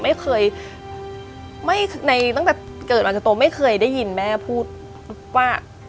ไม่เคยไม่ในตั้งแต่เกิดมาจนโตไม่เคยได้ยินแม่พูดว่า